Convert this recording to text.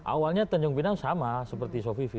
awalnya tanjung pinang sama seperti sovivi